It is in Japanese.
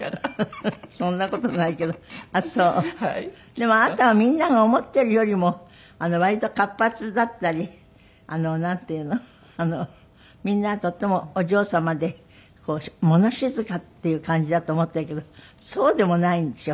でもあなたはみんなが思ってるよりも割と活発だったりなんていうのみんなとってもお嬢様で物静かっていう感じだと思ってるけどそうでもないんでしょ？